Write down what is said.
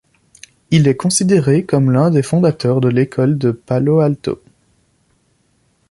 Il est considéré comme l'un des fondateurs de l’École de Palo Alto.